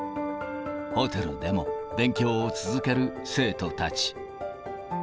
ホテルでも勉強を続ける生徒たち。